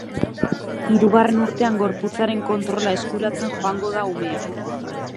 Hirugarren urtean gorputzaren kontrola eskuratzen joango da umea.